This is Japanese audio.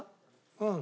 うん。